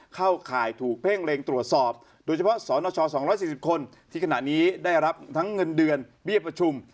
ข่ายถูกเพ่งเล็งตรวจสอบโดยเฉพาะสนช๒๔๐คนที่ขณะนี้ได้รับทั้งเงินเดือนเบี้ยประชุม